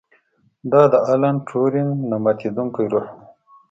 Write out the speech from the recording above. دا د الن ټورینګ نه ماتیدونکی روح و